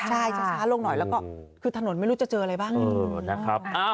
ใช่ช้าลงหน่อยแล้วก็คือถนนไม่รู้จะเจออะไรบ้างนะครับ